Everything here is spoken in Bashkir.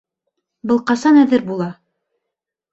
Был ҡасан әҙер була?